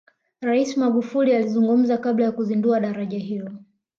rais magufuli alizungumza kabla ya kuzindua daraja hilo